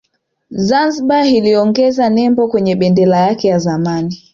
Zanzibar iliongeza nembo kwenye bendera yake ya zamani